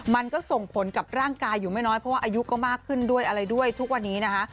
มันก็ส่งผลกับร่างกายอยู่ไม่น้อยเพราะว่าอายุก็มากขึ้นด้วยอะไรด้วยทุกวันนี้นะคะ